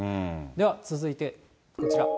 では続いてこちら。